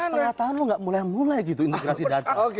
pas ternyata lo nggak mulai mulai gitu integrasi data